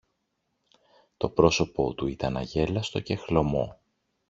Το πρόσωπο του ήταν αγέλαστο και χλωμό.